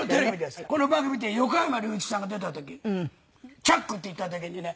この番組で横山隆一さんが出た時「チャック」って言った時にね